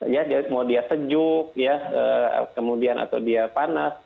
ya jadi mau dia sejuk ya kemudian atau dia panas